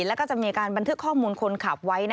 แล้วก็จะมีการบันทึกข้อมูลคนขับไว้